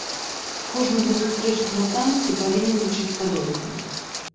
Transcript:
Кожнага сустрэчнага там ты павінен лічыць падонкам.